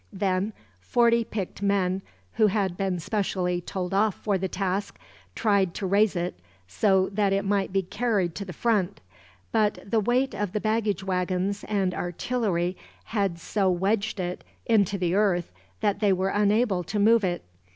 Then forty picked men, who had been specially told off for the task, tried to raise it so that it might be carried to the front; but the weight of the baggage wagons and artillery had so wedged it into the earth, that they were unable to move it.